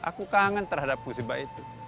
aku kangen terhadap musibah itu